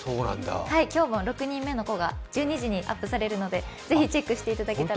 今日も６人目の子が１２時にアップされるのでぜひチェックしていただけたら。